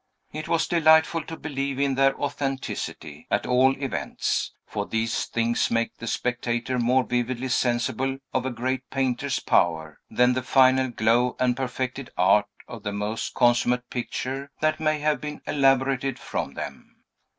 It was delightful to believe in their authenticity, at all events; for these things make the spectator more vividly sensible of a great painter's power, than the final glow and perfected art of the most consummate picture that may have been elaborated from them.